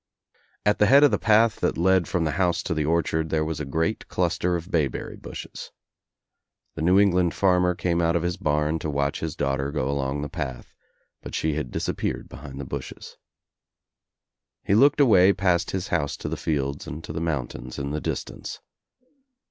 At the head of the path that led from the house to the orchard there was a great cluster of bayberry bushes. The New England farmer came out of his barn to watch his daughter go along the path, but she had disappeared behind the bushes. He looked away past his house to the fields and to the mountains in the distance.